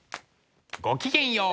ごきげんよう！